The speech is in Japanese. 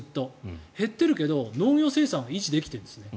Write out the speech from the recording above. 減ってるけど、農業生産は維持できてるんですね。